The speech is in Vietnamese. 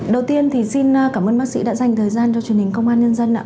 đầu tiên thì xin cảm ơn bác sĩ đã dành thời gian cho truyền hình công an nhân dân ạ